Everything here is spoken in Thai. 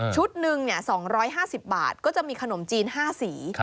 ชุดหนึ่งเนี่ย๒๕๐บาทก็จะมีขนมจีน๕สี